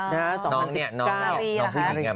ไปเจอกันได้ไงหรอห้องน้ำ